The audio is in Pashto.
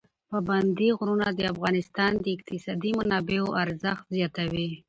پابندي غرونه د افغانستان د اقتصادي منابعو ارزښت زیاتوي.